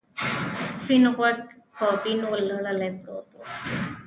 سپین غوږ په وینو لړلی پروت و.